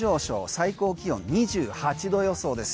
最高気温２８度予想です。